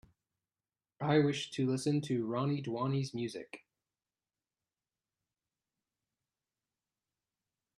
I wish to listen to Roni Duani 's music.